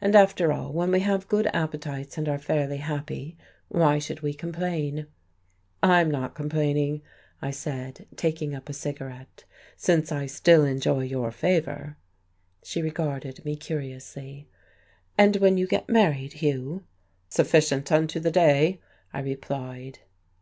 And after all, when we have good appetites and are fairly happy, why should we complain?" "I'm not complaining," I said, taking up a cigarette, "since I still enjoy your favour." She regarded me curiously. "And when you get married, Hugh?" "Sufficient unto the day," I replied.